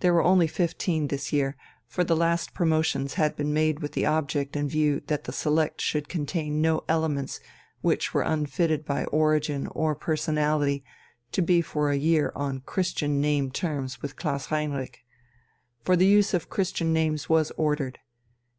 There were only fifteen this year, for the last promotions had been made with the object in view that the select should contain no elements which were unfitted by origin or personality to be for a year on Christian name terms with Klaus Heinrich. For the use of Christian names was ordered.